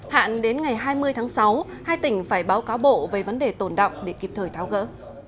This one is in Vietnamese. hạn đến ngày hai mươi tháng sáu hai tỉnh phải báo cáo bộ về vấn đề tồn động để kịp thời tháo gỡ